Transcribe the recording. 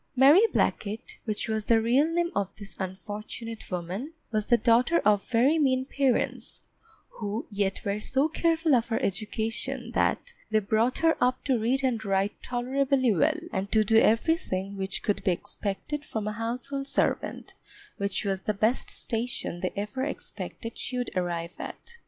Mary Blacket, which was the real name of this unfortunate woman, was the daughter of very mean parents, who yet were so careful of her education that they brought her up to read and write tolerably well, and to do everything which could be expected from a household servant, which was the best station they ever expected she would arrive at.